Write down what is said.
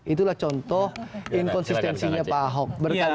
itulah contoh inkonsistensinya pak ahok